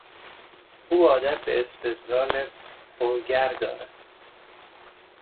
او عادت به استدلال پرگر دارد.